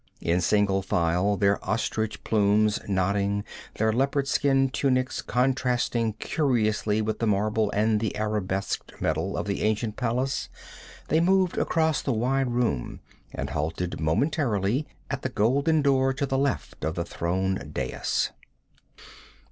In single file, their ostrich plumes nodding, their leopard skin tunics contrasting curiously with the marble and arabesqued metal of the ancient palace, they moved across the wide room and halted momentarily at the golden door to the left of the throne dais.